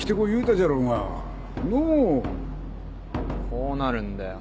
こうなるんだよ